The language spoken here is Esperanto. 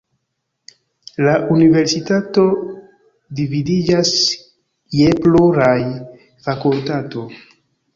La universitato dividiĝas je pluraj fakultato.